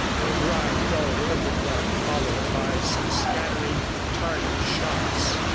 ... A dry, dull thunderclap, followed by some scattering, tardy shots.